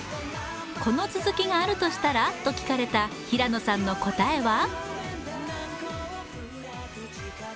この続きがあるとしたらと聞かれた平野さんの答えは？